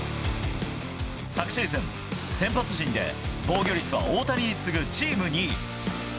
昨シーズン、先発陣で防御率は大谷に次ぐチーム２位。